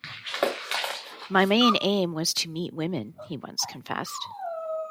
"My main aim was to meet women", he once confessed.